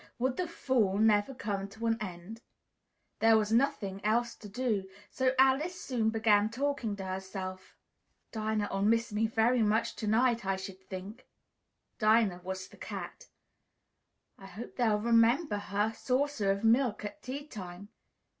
Would the fall never come to an end? There was nothing else to do, so Alice soon began talking to herself. "Dinah'll miss me very much to night, I should think!" (Dinah was the cat.) "I hope they'll remember her saucer of milk at tea time.